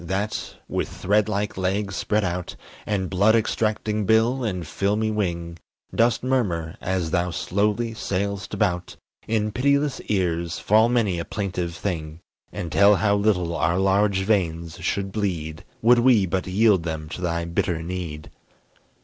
that, with thread like legs spread out, And blood extracting bill, and filmy wing, Dost murmur, as thou slowly sail'st about, In pitiless ears, fall many a plaintive thing, And tell how little our large veins should bleed Would we but yield them to thy bitter need.